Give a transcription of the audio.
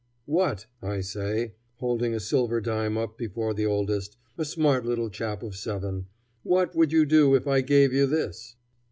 "What," I say, holding a silver dime up before the oldest, a smart little chap of seven "what would you do if I gave you this?"